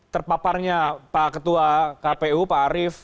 terpaparnya pak ketua kpu pak arief